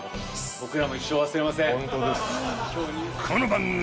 僕らも一生忘れません